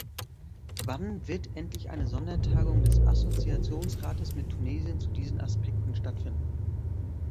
Wann wird endlich eine Sondertagung des Assoziationsrates mit Tunesien zu diesen Aspekten stattfinden?